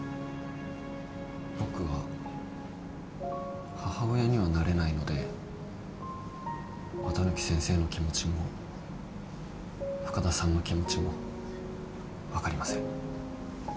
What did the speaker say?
僕は母親にはなれないので綿貫先生の気持ちも深田さんの気持ちも分かりません。